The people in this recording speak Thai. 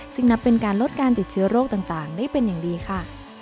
ซึ่งนับเป็นการลดการติดเชื้อโรคต่างได้เป็นอย่างดีค่ะ